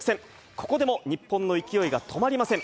ここでも日本の勢いが止まりません。